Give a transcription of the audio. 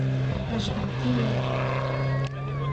Ɛejbent-iyi.